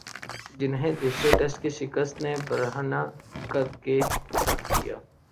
جنہیں دوسرے ٹیسٹ کی شکست نے برہنہ کر کے رکھ دیا